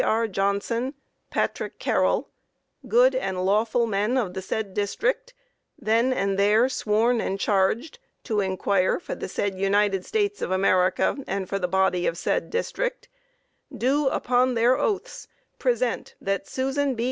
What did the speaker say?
R. Johnson, Patrick Carroll, good and lawful men of the said District, then and there sworn and charged to inquire for the said United States of America, and for the body of said District, do, upon their oaths, present, that Susan B.